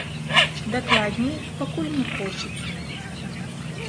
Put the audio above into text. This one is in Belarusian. Дакладней, пакуль не хочуць.